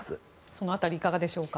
その辺りいかがでしょうか。